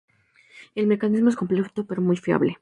El mecanismo es complejo, pero muy fiable.